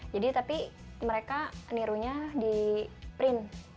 jadi tapi mereka nirunya di print